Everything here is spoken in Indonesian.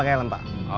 aku tetap bisa